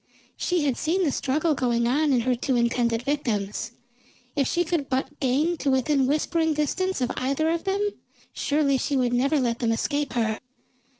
She had seen the struggle going on in her two intended victims; if she could but gain to within whispering distance of either of them, surely she would never let them escape her.